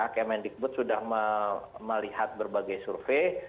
kemendikbud sudah melihat berbagai survei